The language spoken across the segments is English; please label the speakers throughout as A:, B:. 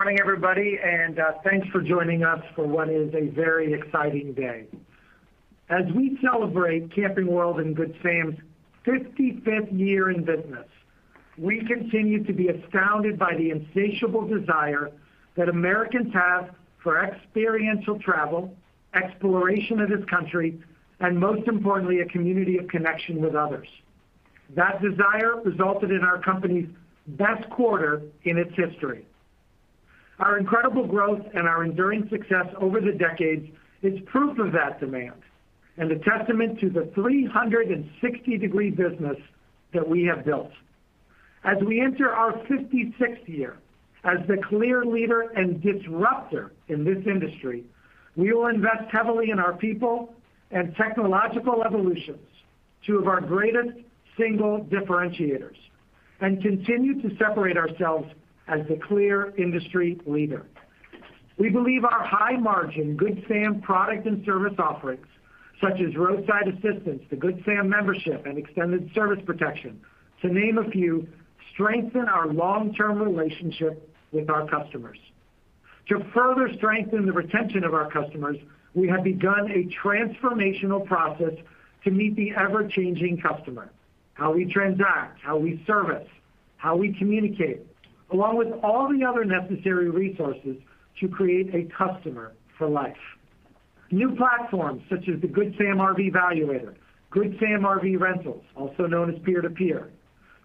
A: Morning, everybody, and thanks for joining us for what is a very exciting day. As we celebrate Camping World and Good Sam's 55th year in business, we continue to be astounded by the insatiable desire that Americans have for experiential travel, exploration of this country, and most importantly, a community of connection with others. That desire resulted in our company's best quarter in its history. Our incredible growth and our enduring success over the decades is proof of that demand and a testament to the 360-degree business that we have built. As we enter our 56th year as the clear leader and disruptor in this industry, we will invest heavily in our people and technological evolutions, two of our greatest single differentiators, and continue to separate ourselves as the clear industry leader. We believe our high-margin Good Sam product and service offerings, such as Good Sam Roadside Assistance, the Good Sam membership, and Good Sam Extended Service Plan, to name a few, strengthen our long-term relationship with our customers. To further strengthen the retention of our customers, we have begun a transformational process to meet the ever-changing customer, how we transact, how we service, how we communicate, along with all the other necessary resources to create a customer for life. New platforms such as the Good Sam RV Valuator, Good Sam RV Rentals, also known as Peer-to-Peer,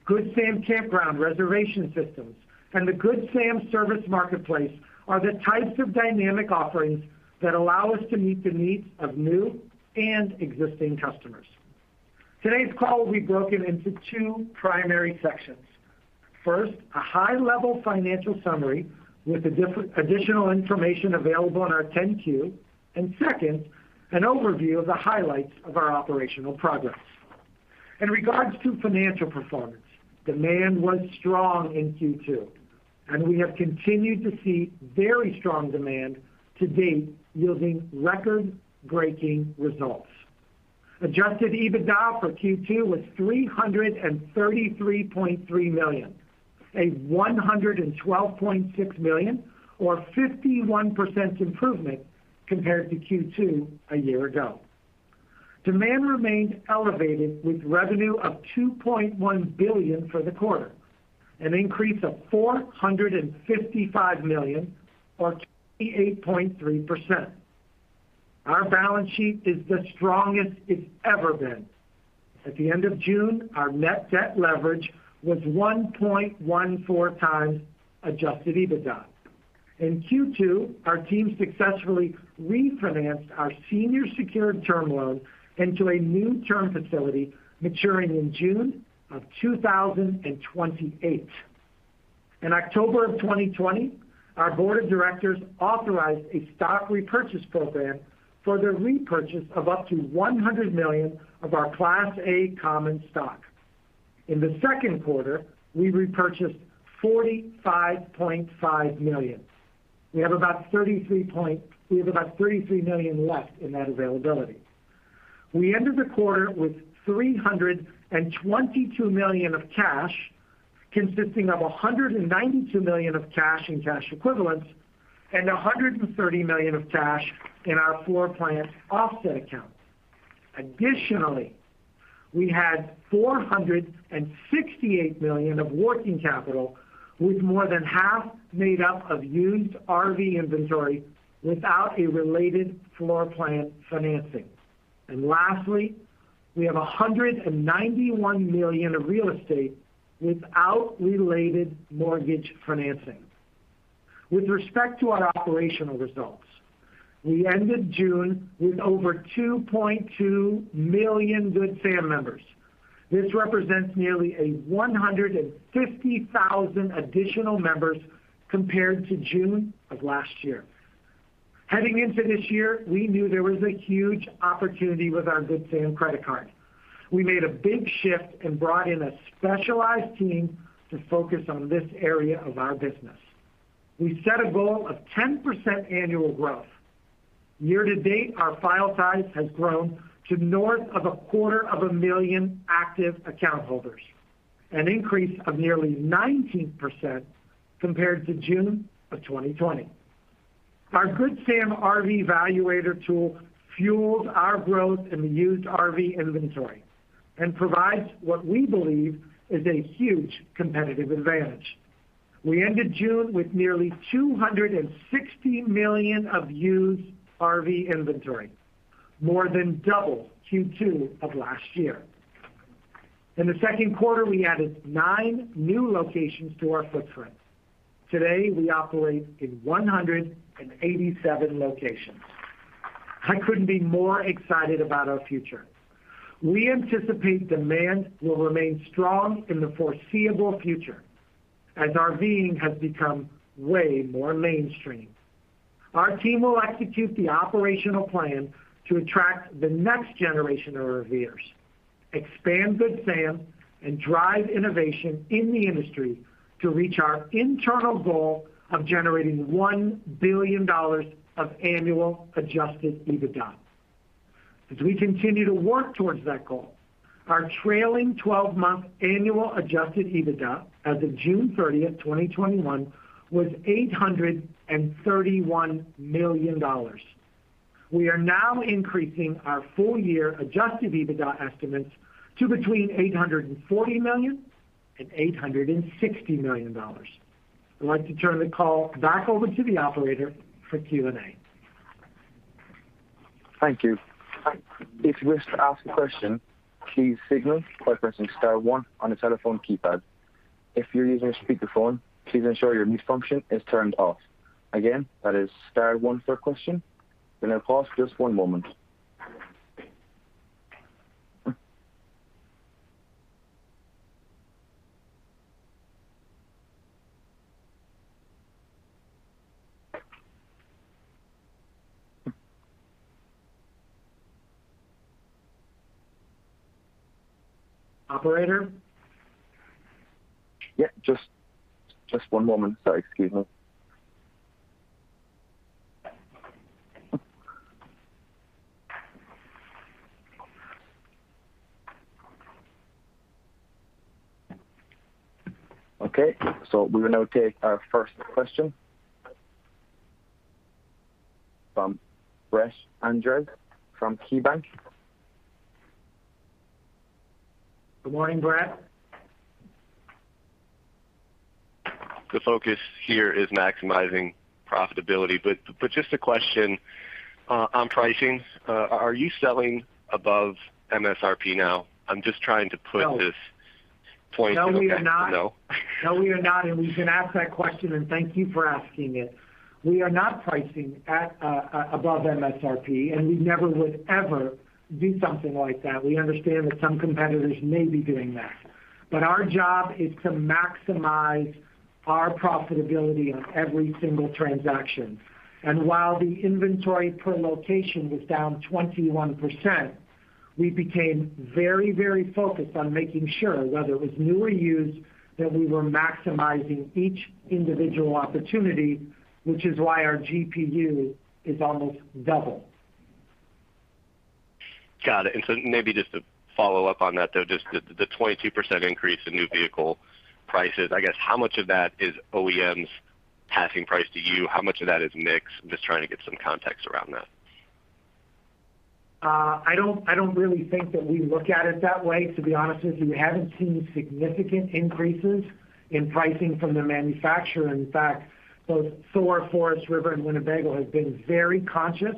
A: Good Sam Campground Reservation System, and the Good Sam Service Marketplace are the types of dynamic offerings that allow us to meet the needs of new and existing customers. Today's call will be broken into two primary sections. First, a high-level financial summary with additional information available on our 10-Q, and second, an overview of the highlights of our operational progress. In regards to financial performance, demand was strong in Q2, and we have continued to see very strong demand to date, yielding record-breaking results. Adjusted EBITDA for Q2 was $333.3 million, a $112.6 million, or 51% improvement compared to Q2 a year ago. Demand remained elevated with revenue of $2.1 billion for the quarter, an increase of $455 million or 28.3%. Our balance sheet is the strongest it's ever been. At the end of June, our net debt leverage was 1.14x adjusted EBITDA. In Q2, our team successfully refinanced our senior secured term loan into a new term facility maturing in June of 2028. In October of 2020, our board of directors authorized a stock repurchase program for the repurchase of up to $100 million of our Class A common stock. In the second quarter, we repurchased $45.5 million. We have about $33 million left in that availability. We ended the quarter with $322 million of cash, consisting of $192 million of cash and cash equivalents and $130 million of cash in our floor plan offset account. Additionally, we had $468 million of working capital, with more than half made up of used RV inventory without a related floor plan financing. Lastly, we have $191 million of real estate without related mortgage financing. With respect to our operational results, we ended June with over 2.2 million Good Sam members. This represents nearly 150,000 additional members compared to June of last year. Heading into this year, we knew there was a huge opportunity with our Good Sam credit card. We made a big shift and brought in a specialized team to focus on this area of our business. We set a goal of 10% annual growth. Year-to-date, our file size has grown to north of a quarter of a million active account holders, an increase of nearly 19% compared to June of 2020. Our Good Sam RV Valuator tool fueled our growth in the used RV inventory and provides what we believe is a huge competitive advantage. We ended June with nearly $260 million of used RV inventory, more than double Q2 of last year. In the second quarter, we added nine new locations to our footprint. Today, we operate in 187 locations. I couldn't be more excited about our future. We anticipate demand will remain strong in the foreseeable future as RVing has become way more mainstream. Our team will execute the operational plan to attract the next generation of RVers, expand Good Sam, and drive innovation in the industry to reach our internal goal of generating $1 billion of annual adjusted EBITDA. We continue to work towards that goal, our trailing 12-month annual adjusted EBITDA as of June 30th, 2021 was $831 million. We are now increasing our full year adjusted EBITDA estimates to between $840 million and $860 million. I'd like to turn the call back over to the operator for Q&A.
B: Thank you. If you wish to ask a question, please signal by pressing star one on your telephone keypad. If you are using a speakerphone, please ensure your mute function is turned off. Again, that is star one for a question. We will now pause just one moment.
A: Operator?
B: Yeah. Just one moment. Sorry. Excuse me. Okay, we will now take our first question from Brett Andress from KeyBanc.
A: Good morning, Brett.
C: The focus here is maximizing profitability, just a question on pricing. Are you selling above MSRP now?
A: No
C: point in. Okay. No?
A: No, we are not, and we can ask that question, and thank you for asking it. We are not pricing above MSRP, and we never would ever do something like that. We understand that some competitors may be doing that. Our job is to maximize our profitability on every single transaction. While the inventory per location was down 21%, we became very focused on making sure, whether it was new or used, that we were maximizing each individual opportunity, which is why our GPU is almost double.
C: Got it. Maybe just to follow up on that, though, just the 22% increase in new vehicle prices, I guess, how much of that is OEMs passing price to you? How much of that is mix? I'm just trying to get some context around that.
A: I don't really think that we look at it that way, to be honest with you. We haven't seen significant increases in pricing from the manufacturer. In fact, both Thor, Forest River, and Winnebago have been very conscious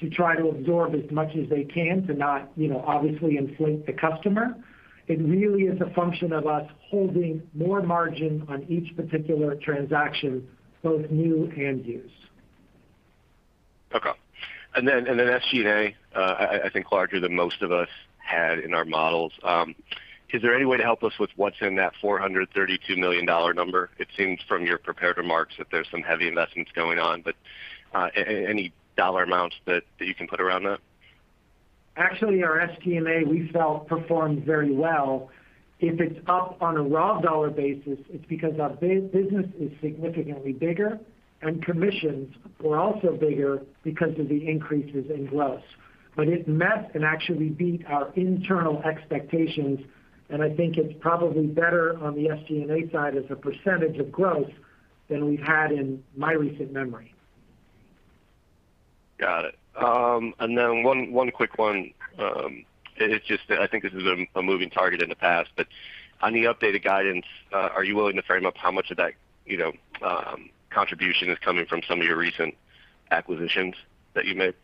A: to try to absorb as much as they can to not obviously inflate the customer. It really is a function of us holding more margin on each particular transaction, both new and used.
C: Okay. SG&A, I think larger than most of us had in our models. Is there any way to help us with what's in that $432 million number? It seems from your prepared remarks that there's some heavy investments going on. Any dollar amounts that you can put around that?
A: Actually, our SG&A, we felt, performed very well. If it's up on a raw dollar basis, it's because our business is significantly bigger, and commissions were also bigger because of the increases in gross. It met and actually beat our internal expectations, and I think it's probably better on the SG&A side as a percentage of growth than we've had in my recent memory.
C: Got it. One quick one. I think this is a moving target in the past, but on the updated guidance, are you willing to frame up how much of that contribution is coming from some of your recent acquisitions that you've made?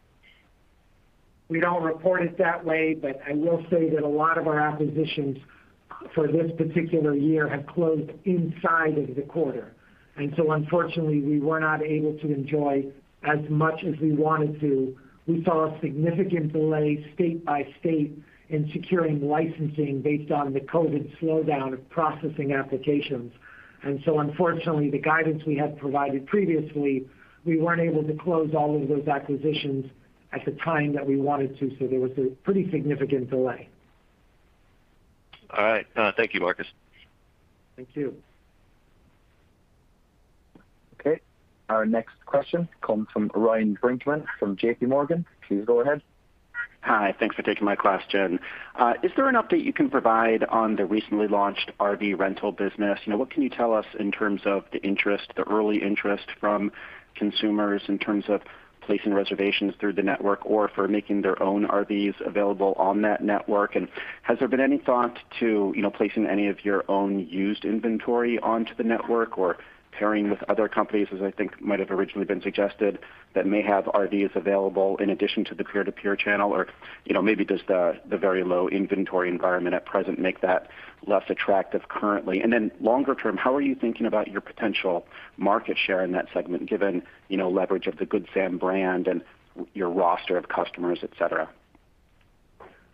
A: We don't report it that way. I will say that a lot of our acquisitions for this particular year have closed inside of the quarter. Unfortunately, we were not able to enjoy as much as we wanted to. We saw a significant delay state by state in securing licensing based on the COVID slowdown of processing applications. Unfortunately, the guidance we had provided previously, we weren't able to close all of those acquisitions at the time that we wanted to, so there was a pretty significant delay.
C: All right. Thank you, Marcus.
A: Thank you.
B: Okay. Our next question comes from Ryan Brinkman from JPMorgan. Please go ahead.
D: Hi. Thanks for taking my question. Is there an update you can provide on the recently launched RV rental business? What can you tell us in terms of the early interest from consumers in terms of placing reservations through the network or for making their own RVs available on that network? Has there been any thought to placing any of your own used inventory onto the network or pairing with other companies, as I think might have originally been suggested, that may have RVs available in addition to the peer-to-peer channel? Maybe does the very low inventory environment at present make that less attractive currently? Then longer term, how are you thinking about your potential market share in that segment, given leverage of the Good Sam brand and your roster of customers, et cetera?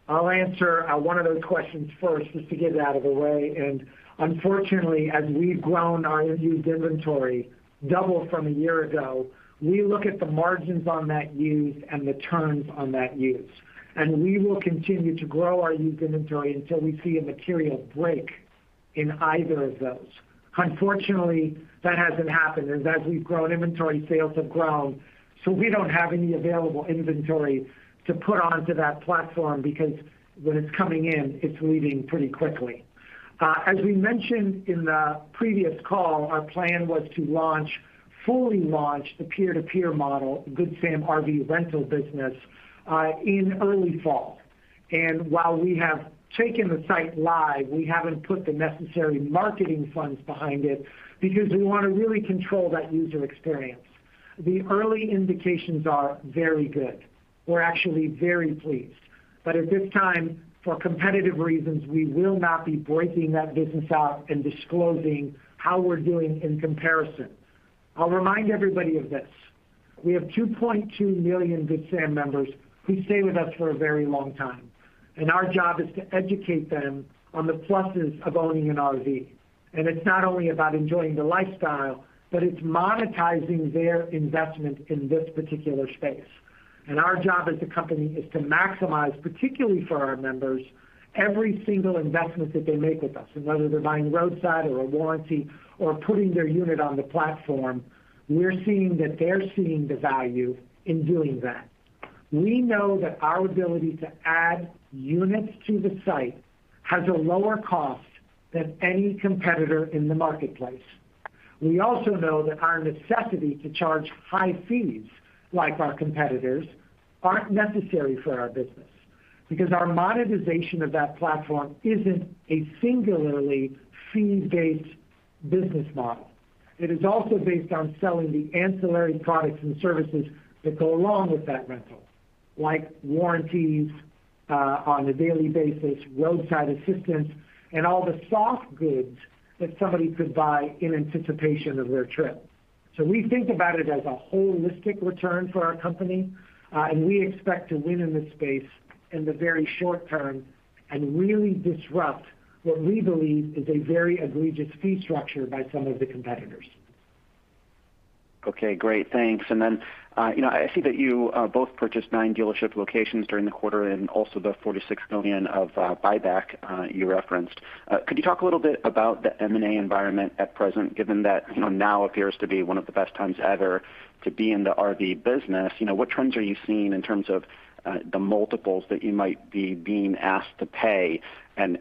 A: I'll answer one of those questions first, just to get it out of the way. Unfortunately, as we've grown our used inventory, double from a year ago, we look at the margins on that used and the turns on that used. We will continue to grow our used inventory until we see a material break in either of those. Unfortunately, that hasn't happened. As we've grown inventory, sales have grown, so we don't have any available inventory to put onto that platform, because when it's coming in, it's leaving pretty quickly. As we mentioned in the previous call, our plan was to fully launch the Peer-to-Peer model, Good Sam RV Rentals, in early fall. While we have taken the site live, we haven't put the necessary marketing funds behind it because we want to really control that user experience. The early indications are very good. We're actually very pleased. At this time, for competitive reasons, we will not be breaking that business out and disclosing how we're doing in comparison. I'll remind everybody of this. We have 2.2 million Good Sam members who stay with us for a very long time, and our job is to educate them on the pluses of owning an RV. It's not only about enjoying the lifestyle, but it's monetizing their investment in this particular space. Our job as a company is to maximize, particularly for our members, every single investment that they make with us, whether they're buying roadside or a warranty or putting their unit on the platform, we're seeing that they're seeing the value in doing that. We know that our ability to add units to the site has a lower cost than any competitor in the marketplace. We also know that our necessity to charge high fees, like our competitors, aren't necessary for our business, because our monetization of that platform isn't a singularly fee-based business model. It is also based on selling the ancillary products and services that go along with that rental, like warranties on a daily basis, Good Sam Roadside Assistance, and all the soft goods that somebody could buy in anticipation of their trip. We think about it as a holistic return for our company, and we expect to win in this space in the very short term and really disrupt what we believe is a very egregious fee structure by some of the competitors.
D: Okay, great. Thanks. I see that you both purchased nine dealership locations during the quarter and also the $46 million of buyback you referenced. Could you talk a little bit about the M&A environment at present, given that now appears to be one of the best times ever to be in the RV business? What trends are you seeing in terms of the multiples that you might be being asked to pay?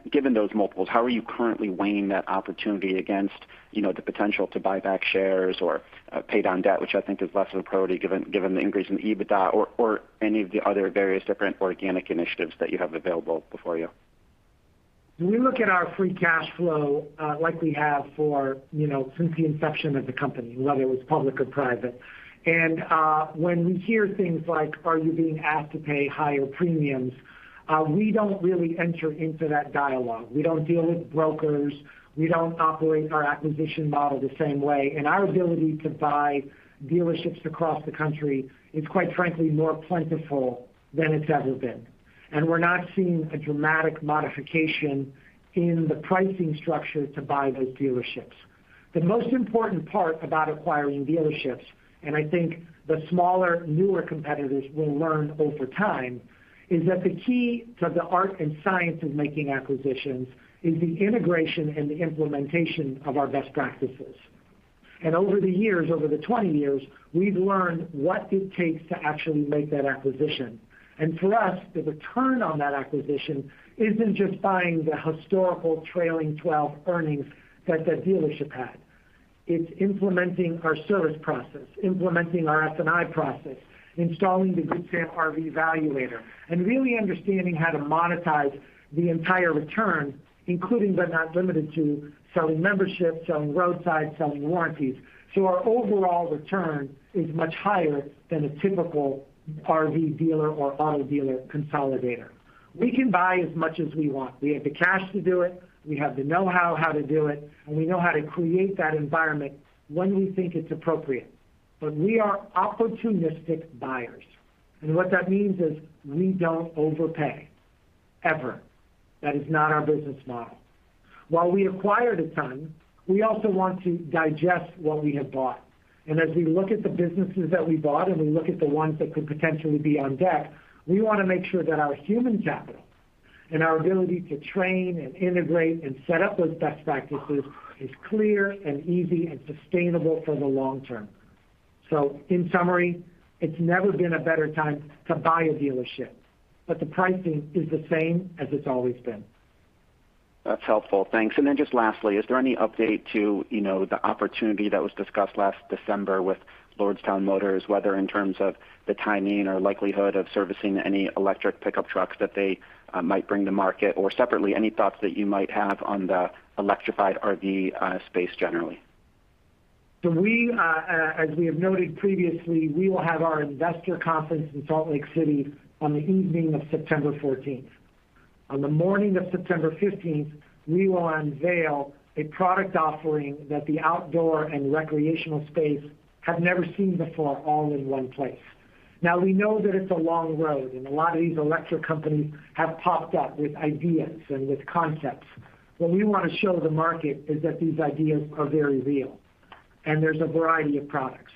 D: Given those multiples, how are you currently weighing that opportunity against the potential to buy back shares or pay down debt, which I think is less of a priority given the increase in EBITDA or any of the other various different organic initiatives that you have available before you?
A: We look at our free cash flow like we have since the inception of the company, whether it was public or private. When we hear things like, "Are you being asked to pay higher premiums?" We don't really enter into that dialogue. We don't deal with brokers. We don't operate our acquisition model the same way. Our ability to buy dealerships across the country is, quite frankly, more plentiful than it's ever been. We're not seeing a dramatic modification in the pricing structure to buy those dealerships. The most important part about acquiring dealerships, and I think the smaller, newer competitors will learn over time, is that the key to the art and science of making acquisitions is the integration and the implementation of our best practices. Over the years, over the 20 years, we've learned what it takes to actually make that acquisition. For us, the return on that acquisition isn't just buying the historical trailing 12-month earnings that that dealership had. It's implementing our service process, implementing our F&I process, installing the Good Sam RV Valuator, and really understanding how to monetize the entire return, including, but not limited to, selling memberships, selling Roadside, selling warranties. Our overall return is much higher than a typical RV dealer or auto dealer consolidator. We can buy as much as we want. We have the cash to do it, we have the know-how to do it, and we know how to create that environment when we think it's appropriate. We are opportunistic buyers. What that means is we don't overpay, ever. That is not our business model. While we acquired a ton, we also want to digest what we have bought. As we look at the businesses that we bought and we look at the ones that could potentially be on deck, we want to make sure that our human capital and our ability to train and integrate and set up those best practices is clear and easy and sustainable for the long term. In summary, it's never been a better time to buy a dealership, but the pricing is the same as it's always been.
D: That's helpful. Thanks. Then just lastly, is there any update to the opportunity that was discussed last December with Lordstown Motors, whether in terms of the timing or likelihood of servicing any electric pickup trucks that they might bring to market? Or separately, any thoughts that you might have on the electrified RV space generally?
A: As we have noted previously, we will have our investor conference in Salt Lake City on the evening of September 14th. On the morning of September 15th, we will unveil a product offering that the outdoor and recreational space have never seen before, all in one place. Now, we know that it's a long road, and a lot of these electric companies have popped up with ideas and with concepts. What we want to show the market is that these ideas are very real. And there's a variety of products.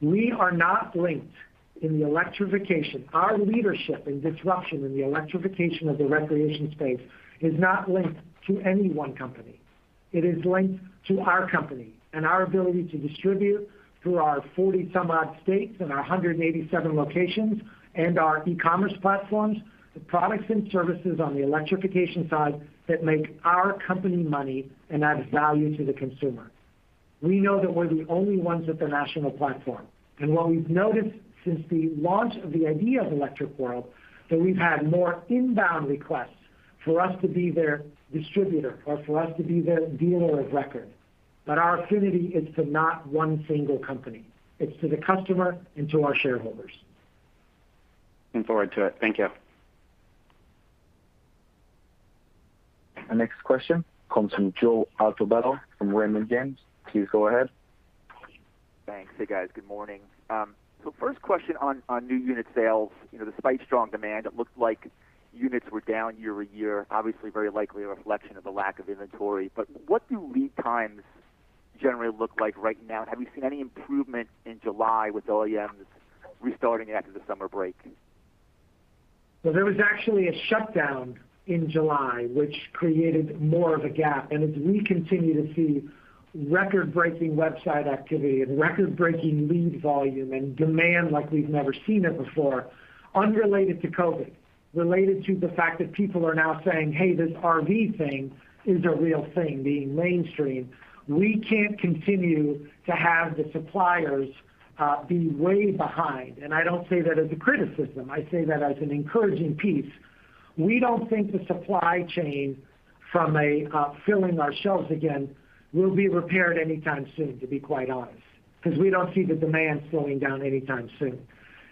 A: We are not linked in the electrification. Our leadership in disruption in the electrification of the recreation space is not linked to any one company. It is linked to our company, and our ability to distribute through our 40 some odd states and our 187 locations and our e-commerce platforms, the products and services on the electrification side that make our company money and adds value to the consumer. We know that we're the only ones with a national platform. What we've noticed since the launch of the idea of Electric World, that we've had more inbound requests for us to be their distributor or for us to be their dealer of record. Our affinity is to not one single company. It's to the customer and to our shareholders.
D: Looking forward to it. Thank you.
B: Our next question comes from Joe Altobello from Raymond James. Please go ahead.
E: Thanks. Hey, guys. Good morning. First question on new unit sales. Despite strong demand, it looked like units were down year-over-year, obviously very likely a reflection of the lack of inventory. What do lead times generally look like right now? Have you seen any improvement in July with OEMs restarting after the summer break?
A: There was actually a shutdown in July, which created more of a gap. As we continue to see record-breaking website activity and record-breaking lead volume and demand like we've never seen it before, unrelated to COVID, related to the fact that people are now saying, "Hey, this RV thing is a real thing," being mainstream. We can't continue to have the suppliers be way behind. I don't say that as a criticism. I say that as an encouraging piece. We don't think the supply chain from a filling our shelves again will be repaired anytime soon, to be quite honest, because we don't see the demand slowing down anytime soon.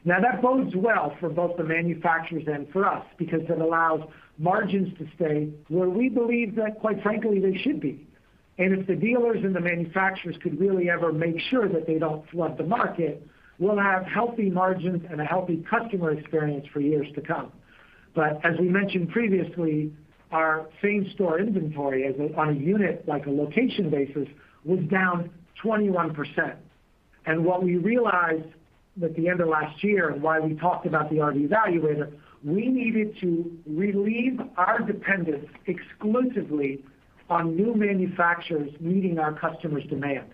A: That bodes well for both the manufacturers and for us because it allows margins to stay where we believe that, quite frankly, they should be. If the dealers and the manufacturers could really ever make sure that they don't flood the market, we'll have healthy margins and a healthy customer experience for years to come. As we mentioned previously, our same-store inventory on a unit, like a location basis, was down 21%. What we realized at the end of last year and why we talked about the Good Sam RV Valuator, we needed to relieve our dependence exclusively on new manufacturers meeting our customers' demand.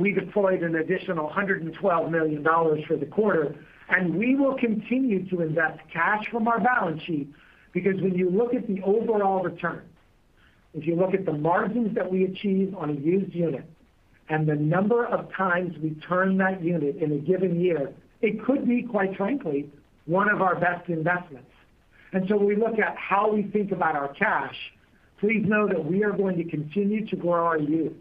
A: We deployed an additional $112 million for the quarter, and we will continue to invest cash from our balance sheet because when you look at the overall return, if you look at the margins that we achieve on a used unit, and the number of times we turn that unit in a given year, it could be, quite frankly, one of our best investments. We look at how we think about our cash. Please know that we are going to continue to grow our used.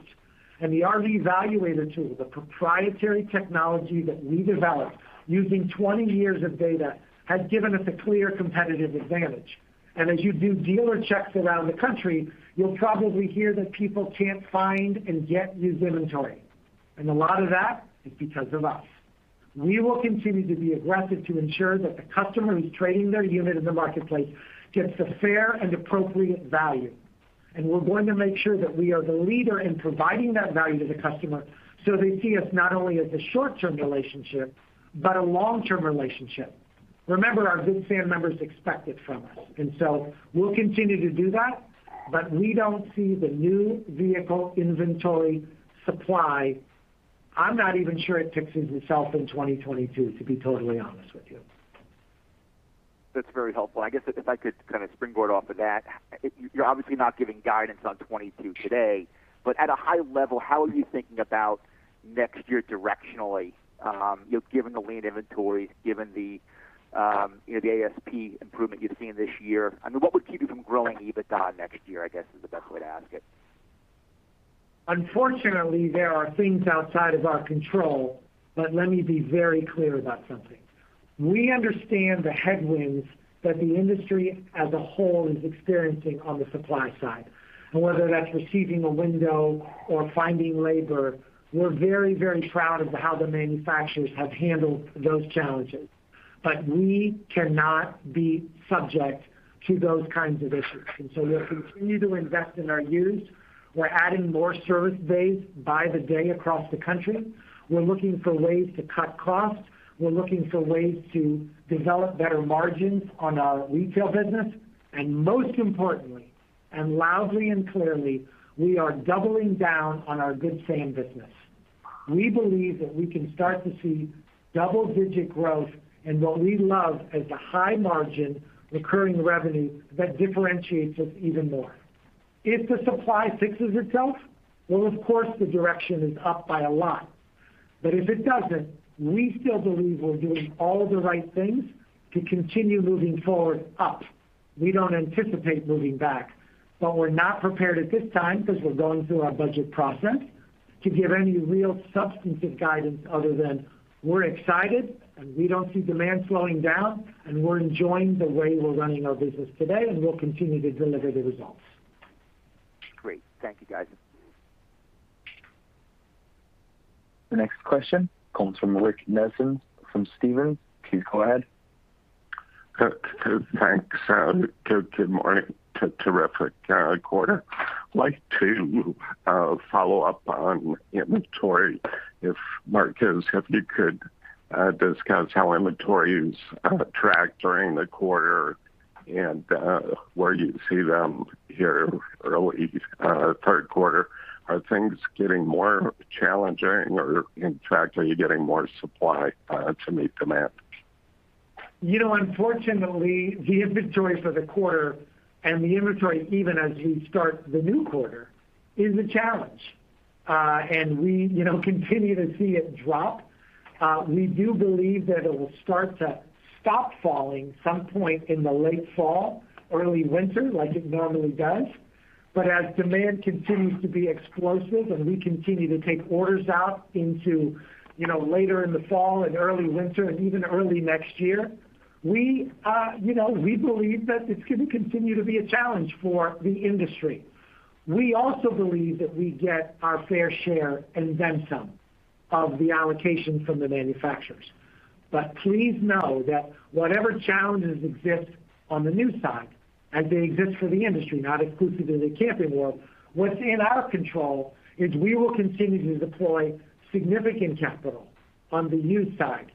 A: The Good Sam RV Valuator tool, the proprietary technology that we developed using 20 years of data, has given us a clear competitive advantage. As you do dealer checks around the country, you'll probably hear that people can't find and get used inventory. A lot of that is because of us. We will continue to be aggressive to ensure that the customer who's trading their unit in the marketplace gets a fair and appropriate value. We're going to make sure that we are the leader in providing that value to the customer so they see us not only as a short-term relationship, but a long-term relationship. Remember, our Good Sam members expect it from us. We'll continue to do that, but we don't see the new vehicle inventory supply. I'm not even sure it fixes itself in 2022, to be totally honest with you.
E: That's very helpful. I guess if I could kind of springboard off of that. You're obviously not giving guidance on 2022 today. At a high level, how are you thinking about next year directionally? Given the lean inventories, given the ASP improvement you've seen this year, I mean, what would keep you from growing EBITDA next year, I guess, is the best way to ask it.
A: Unfortunately, there are things outside of our control. Let me be very clear about something. We understand the headwinds that the industry as a whole is experiencing on the supply side, and whether that's receiving a window or finding labor, we're very proud of how the manufacturers have handled those challenges. We cannot be subject to those kinds of issues. So we'll continue to invest in our used. We're adding more service bays by the day across the country. We're looking for ways to cut costs. We're looking for ways to develop better margins on our retail business. Most importantly, and loudly and clearly, we are doubling down on our Good Sam business. We believe that we can start to see double-digit growth in what we love as a high margin recurring revenue that differentiates us even more. If the supply fixes itself, well, of course, the direction is up by a lot. If it doesn't, we still believe we're doing all the right things to continue moving forward up. We don't anticipate moving back, but we're not prepared at this time because we're going through our budget process to give any real substantive guidance other than we're excited and we don't see demand slowing down, and we're enjoying the way we're running our business today, and we'll continue to deliver the results.
E: Great. Thank you, guys.
B: The next question comes from Rick Nelson from Stephens. Please go ahead.
F: Thanks. Good morning. Terrific quarter. Like to follow up on inventory. If Marcus, if you could discuss how inventory is tracked during the quarter and where you see them here early third quarter. Are things getting more challenging or, in fact, are you getting more supply to meet demand?
A: Unfortunately, the inventory for the quarter and the inventory even as we start the new quarter, is a challenge. We continue to see it drop. We do believe that it will start to stop falling some point in the late fall, early winter like it normally does. As demand continues to be explosive and we continue to take orders out into later in the fall and early winter and even early next year, we believe that it's going to continue to be a challenge for the industry. We also believe that we get our fair share and then some, of the allocation from the manufacturers. Please know that whatever challenges exist on the new side, as they exist for the industry, not exclusive to the Camping World, what's in our control is we will continue to deploy significant capital on the used side.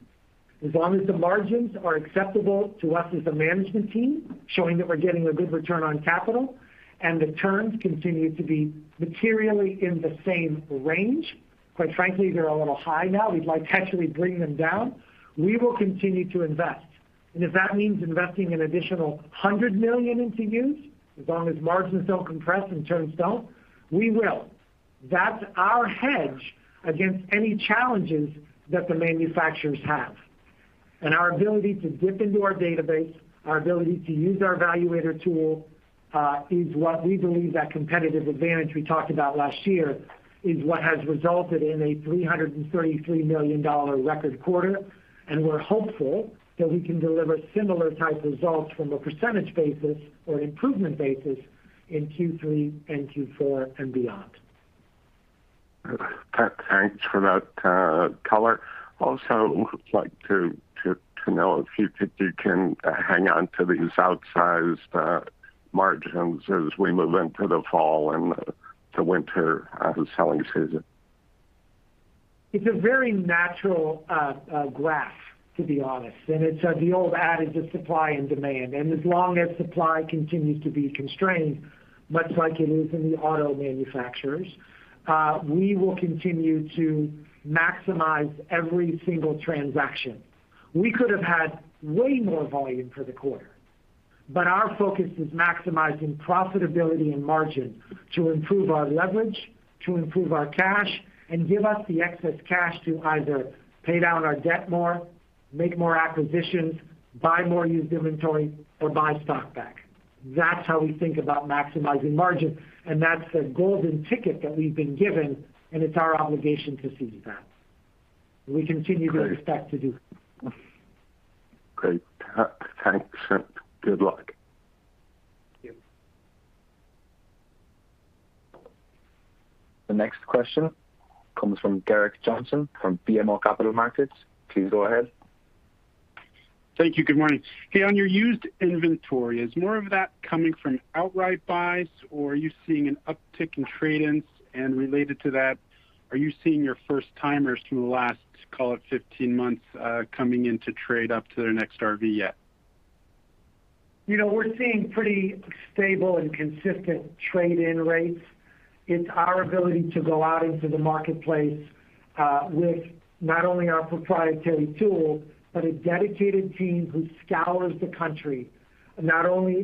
A: As long as the margins are acceptable to us as a management team, showing that we're getting a good return on capital, and the turns continue to be materially in the same range. Quite frankly, they're a little high now. We'd like to actually bring them down. We will continue to invest. If that means investing an additional $100 million into used, as long as margins don't compress and turns don't, we will. That's our hedge against any challenges that the manufacturers have. Our ability to dip into our database, our ability to use our Valuator tool, is what we believe that competitive advantage we talked about last year, is what has resulted in a $333 million record quarter. We're hopeful that we can deliver similar type results from a percentage basis or improvement basis in Q3 and Q4 and beyond.
F: Thanks for that color. Would like to know if you think you can hang on to these outsized margins as we move into the fall and the winter selling season.
A: It's a very natural graph, to be honest. It's the old adage of supply and demand. As long as supply continues to be constrained, much like it is in the auto manufacturers, we will continue to maximize every single transaction. We could have had way more volume for the quarter. Our focus is maximizing profitability and margin to improve our leverage, to improve our cash and give us the excess cash to either pay down our debt more, make more acquisitions, buy more used inventory, or buy stock back. That's how we think about maximizing margin. That's a golden ticket that we've been given. It's our obligation to seize that. We continue to expect to do that.
F: Great. Thanks. Good luck.
A: Thank you.
B: The next question comes from Gerrick Johnson from BMO Capital Markets. Please go ahead.
G: Thank you. Good morning. Hey, on your used inventory, is more of that coming from outright buys, or are you seeing an uptick in trade-ins? Related to that, are you seeing your first-timers from the last, call it 15 months, coming in to trade up to their next RV yet?
A: We're seeing pretty stable and consistent trade-in rates. It's our ability to go out into the marketplace, with not only our proprietary tool, but a dedicated team who scours the country, not only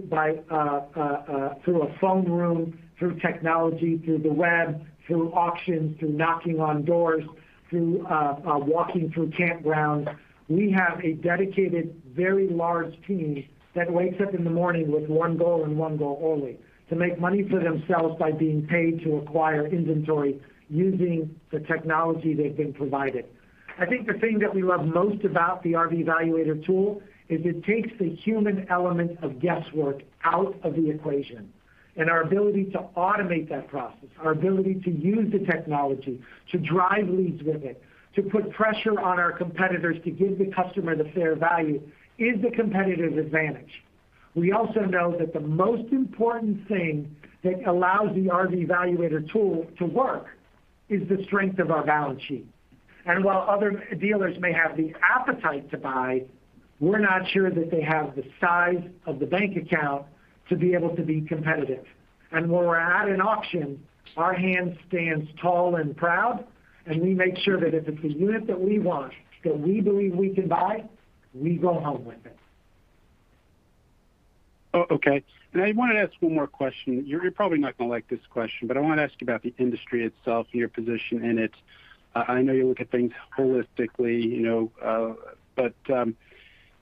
A: through a phone room, through technology, through the web, through auctions, through knocking on doors, through walking through campgrounds. We have a dedicated, very large team that wakes up in the morning with one goal and one goal only, to make money for themselves by being paid to acquire inventory using the technology they've been provided. I think the thing that we love most about the RV Valuator tool is it takes the human element of guesswork out of the equation. Our ability to automate that process, our ability to use the technology, to drive leads with it, to put pressure on our competitors to give the customer the fair value, is the competitive advantage. We also know that the most important thing that allows the Good Sam RV Valuator to work is the strength of our balance sheet. While other dealers may have the appetite to buy, we're not sure that they have the size of the bank account to be able to be competitive. When we're at an auction, our hand stands tall and proud, and we make sure that if it's a unit that we want, that we believe we can buy, we go home with it.
G: Oh, okay. I want to ask one more question. You're probably not going to like this question, but I want to ask about the industry itself and your position in it. I know you look at things holistically, but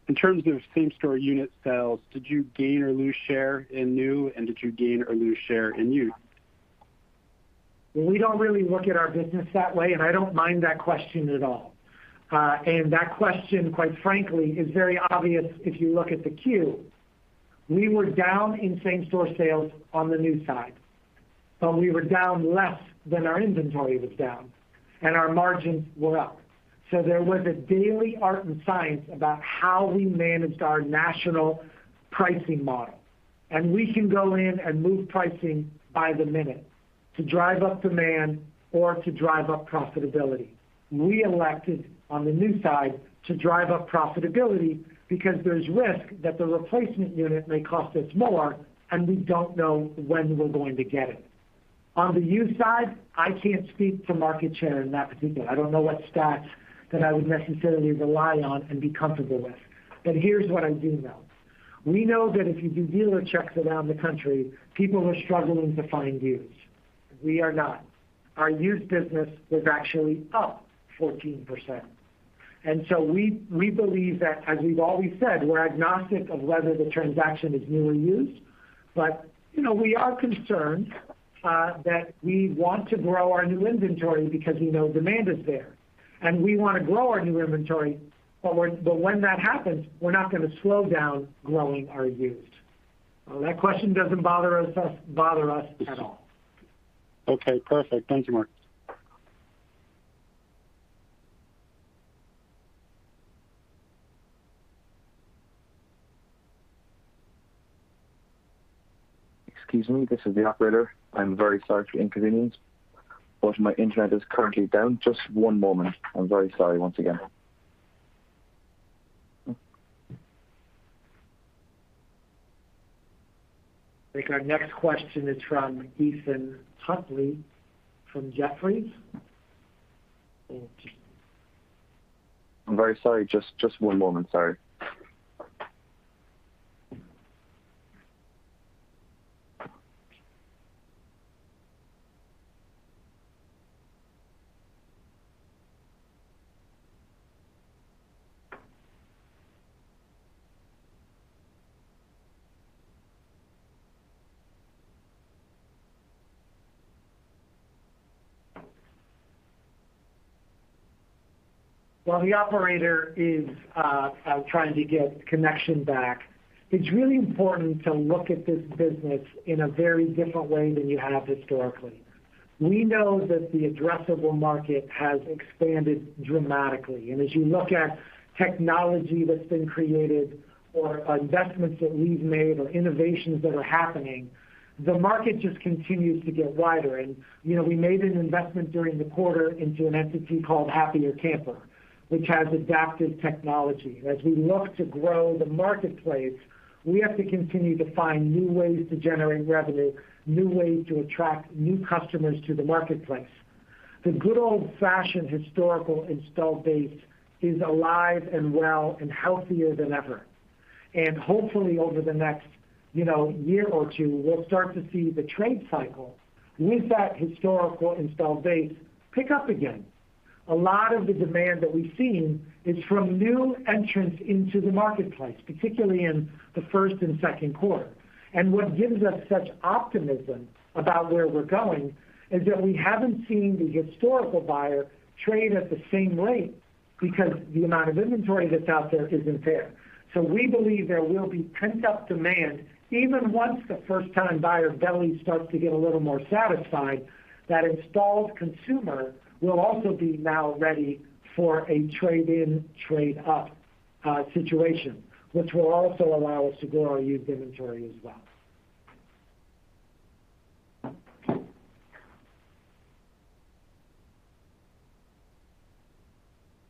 G: in terms of same-store unit sales, did you gain or lose share in new, and did you gain or lose share in used?
A: We don't really look at our business that way. I don't mind that question at all. That question, quite frankly, is very obvious if you look at the Q. We were down in same-store sales on the new side, we were down less than our inventory was down, our margins were up. There was a daily art and science about how we managed our national pricing model. We can go in and move pricing by the minute to drive up demand or to drive up profitability. We elected on the new side to drive up profitability because there's risk that the replacement unit may cost us more, we don't know when we're going to get it. On the used side, I can't speak for market share in that particular. I don't know what stats that I would necessarily rely on and be comfortable with. Here's what I do know. We know that if you do dealer checks around the country, people are struggling to find used. We are not. Our used business was actually up 14%. We believe that, as we've always said, we're agnostic of whether the transaction is new or used. We are concerned that we want to grow our new inventory because we know demand is there. We want to grow our new inventory, but when that happens, we're not going to slow down growing our used. That question doesn't bother us at all.
G: Okay, perfect. Thank you, Marcus.
B: Excuse me. This is the operator. I'm very sorry for the inconvenience, but my internet is currently down. Just one moment. I'm very sorry, once again.
A: I think our next question is from Ethan Huntley from Jefferies.
B: I'm very sorry. Just one moment. Sorry.
A: While the operator is trying to get connection back, it's really important to look at this business in a very different way than you have historically. As you look at technology that's been created or investments that we've made or innovations that are happening, the market just continues to get wider. We made an investment during the quarter into an entity called Happier Camper, which has Adaptiv technology. As we look to grow the marketplace, we have to continue to find new ways to generate revenue, new ways to attract new customers to the marketplace. The good old-fashioned historical installed base is alive and well and healthier than ever. Hopefully over the next year or two, we'll start to see the trade cycle with that historical installed base pick up again. A lot of the demand that we've seen is from new entrants into the marketplace, particularly in the first and second quarter. What gives us such optimism about where we're going is that we haven't seen the historical buyer trade at the same rate because the amount of inventory that's out there isn't there. We believe there will be pent-up demand even once the first-time buyer belly starts to get a little more satisfied, that installed consumer will also be now ready for a trade-in, trade-up situation, which will also allow us to grow our used inventory as well.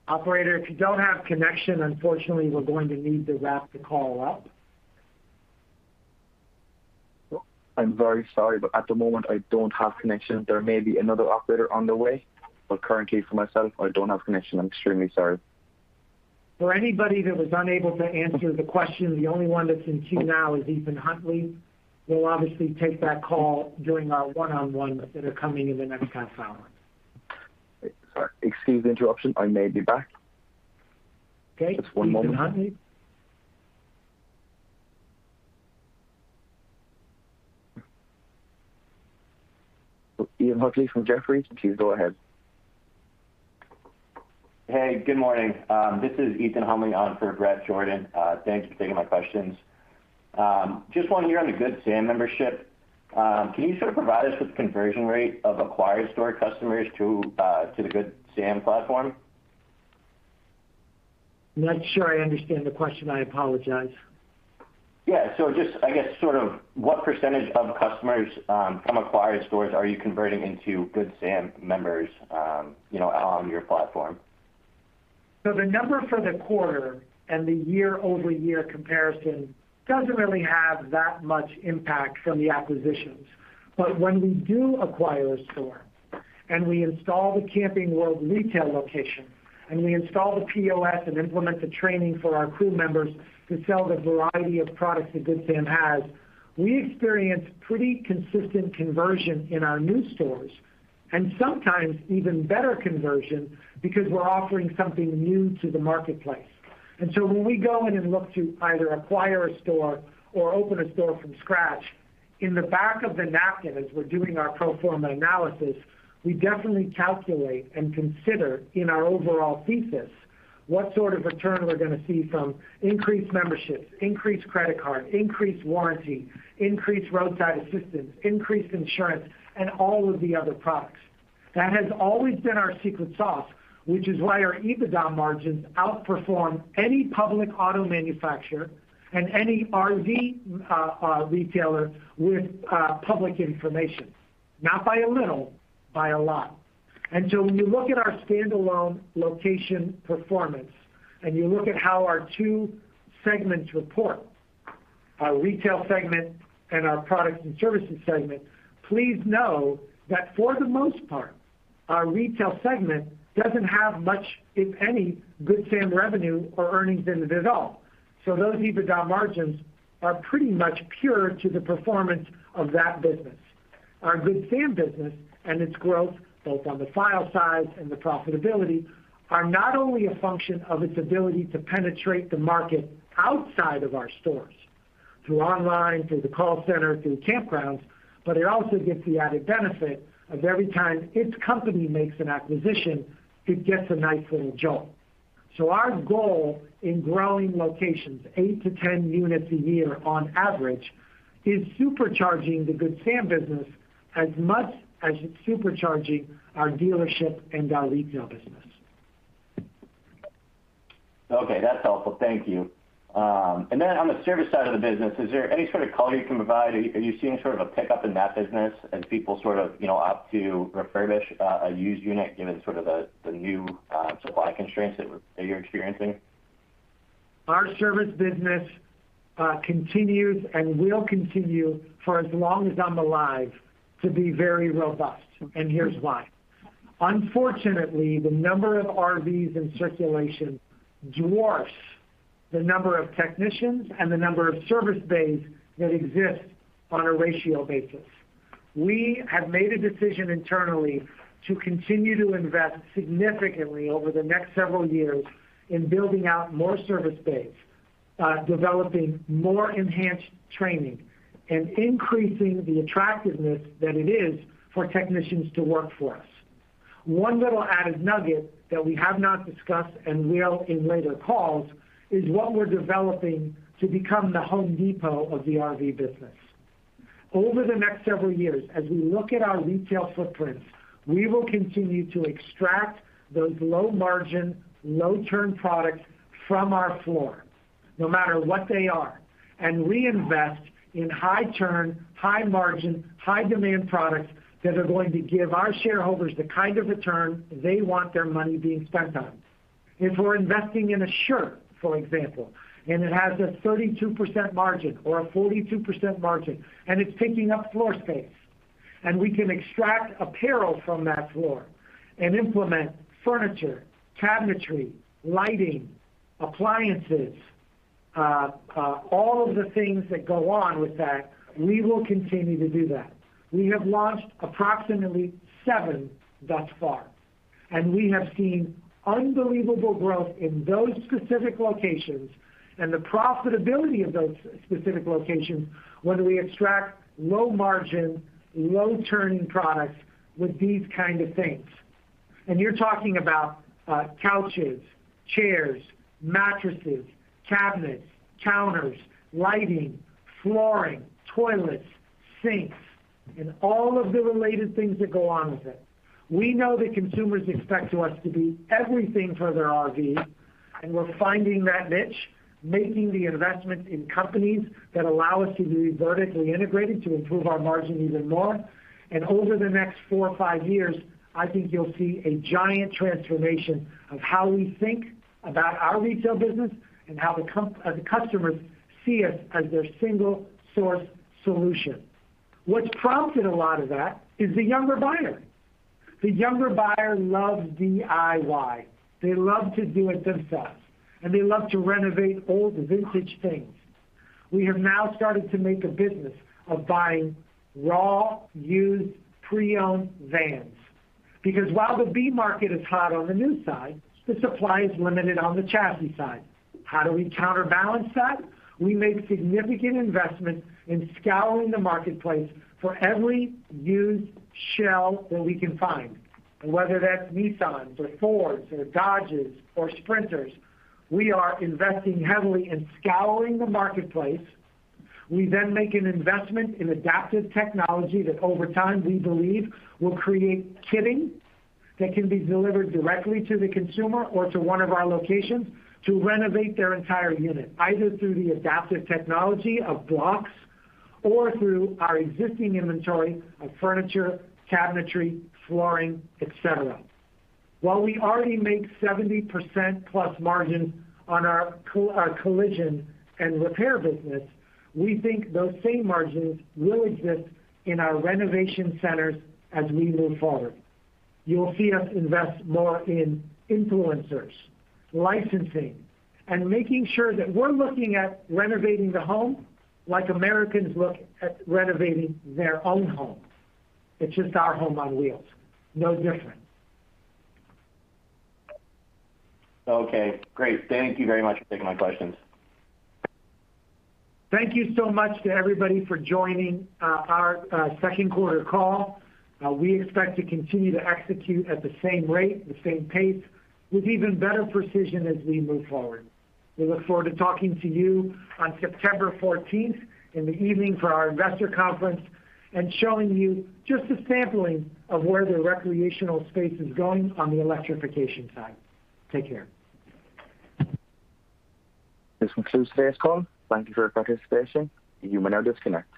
A: Operator, if you don't have connection, unfortunately, we're going to need to wrap the call up.
B: I'm very sorry, but at the moment I don't have connection. There may be another operator on the way, but currently for myself, I don't have connection. I'm extremely sorry.
A: For anybody that was unable to answer the question, the only one that's in queue now is Ethan Huntley. We'll obviously take that call during our one-on-one that are coming in the next half hour.
B: Sorry. Excuse the interruption. I may be back.
A: Okay.
B: Just one moment.
A: Ethan Huntley.
B: Ethan Huntley from Jefferies, please go ahead.
H: Hey, good morning. This is Ethan Huntley on for Bret Jordan. Thanks for taking my questions. Just wanted to hear on the Good Sam membership. Can you sort of provide us with conversion rate of acquired store customers to the Good Sam platform?
A: I'm not sure I understand the question? I apologize.
H: Just what percentage of customers from acquired stores are you converting into Good Sam members on your platform?
A: The number for the quarter and the year-over-year comparison doesn't really have that much impact from the acquisitions. When we do acquire a store and we install the Camping World retail location, and we install the POS and implement the training for our crew members to sell the variety of products that Good Sam has, we experience pretty consistent conversion in our new stores and sometimes even better conversion because we're offering something new to the marketplace. When we go in and look to either acquire a store or open a store from scratch, in the back of the napkin, as we're doing our pro forma analysis, we definitely calculate and consider in our overall thesis. What sort of return we're going to see from increased memberships, increased credit card, increased warranty, increased Roadside Assistance, increased insurance, and all of the other products. That has always been our secret sauce, which is why our EBITDA margins outperform any public auto manufacturer and any RV retailer with public information. Not by a little, by a lot. When you look at our standalone location performance, and you look at how our two segments report, our Retail Segment and our Products and Services Segment, please know that for the most part, our Retail Segment doesn't have much, if any, Good Sam revenue or earnings in it at all. Those EBITDA margins are pretty much pure to the performance of that business. Our Good Sam business and its growth, both on the file size and the profitability, are not only a function of its ability to penetrate the market outside of our stores, through online, through the call center, through campgrounds, but it also gets the added benefit of every time its company makes an acquisition, it gets a nice little jolt. Our goal in growing locations, 8 to 10 units a year on average, is supercharging the Good Sam business as much as it's supercharging our dealership and our retail business.
H: Okay, that's helpful. Thank you. On the service side of the business, is there any sort of color you can provide? Are you seeing sort of a pickup in that business as people opt to refurbish a used unit given the new supply constraints that you're experiencing?
A: Our service business continues and will continue for as long as I'm alive to be very robust, and here's why. Unfortunately, the number of RVs in circulation dwarfs the number of technicians and the number of service bays that exist on a ratio basis. We have made a decision internally to continue to invest significantly over the next several years in building out more service bays, developing more enhanced training, and increasing the attractiveness that it is for technicians to work for us. One little added nugget that we have not discussed and will in later calls is what we're developing to become The Home Depot of the RV business. Over the next several years, as we look at our retail footprint, we will continue to extract those low-margin, low-turn products from our floor, no matter what they are, and reinvest in high-turn, high-margin, high-demand products that are going to give our shareholders the kind of return they want their money being spent on. If we're investing in a shirt, for example, and it has a 32% margin or a 42% margin, and it's taking up floor space, and we can extract apparel from that floor and implement furniture, cabinetry, lighting, appliances, all of the things that go on with that, we will continue to do that. We have launched approximately seven thus far, and we have seen unbelievable growth in those specific locations and the profitability of those specific locations when we extract low-margin, low-turn products with these kind of things. You're talking about couches, chairs, mattresses, cabinets, counters, lighting, flooring, toilets, sinks, and all of the related things that go on with it. We know that consumers expect us to be everything for their RV, and we're finding that niche, making the investment in companies that allow us to be vertically integrated to improve our margin even more. Over the next four or five years, I think you'll see a giant transformation of how we think about our retail business and how the customers see us as their single-source solution. What's prompted a lot of that is the younger buyer. The younger buyer loves DIY. They love to do it themselves, and they love to renovate old vintage things. We have now started to make a business of buying raw, used, pre-owned vans. While the B market is hot on the new side, the supply is limited on the chassis side. How do we counterbalance that? We make significant investments in scouring the marketplace for every used shell that we can find, whether that's Nissans or Fords or Dodges or Sprinters. We are investing heavily in scouring the marketplace. We make an investment in Adaptiv technology that over time, we believe will create kitting that can be delivered directly to the consumer or to one of our locations to renovate their entire unit, either through the Adaptiv technology of blocks or through our existing inventory of furniture, cabinetry, flooring, et cetera. While we already make 70%+ margins on our collision and repair business, we think those same margins will exist in our renovation centers as we move forward. You will see us invest more in influencers, licensing, and making sure that we're looking at renovating the home like Americans look at renovating their own home. It's just our home on wheels. No different.
H: Okay, great. Thank you very much for taking my questions.
A: Thank you so much to everybody for joining our second quarter call. We expect to continue to execute at the same rate, the same pace, with even better precision as we move forward. We look forward to talking to you on September 14th in the evening for our investor conference and showing you just a sampling of where the recreational space is going on the electrification side. Take care.
B: This concludes today's call. Thank you for your participation. You may now disconnect.